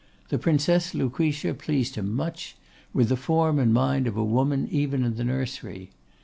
The Princess Lucretia pleased him much; with the form and mind of a woman even in the nursery.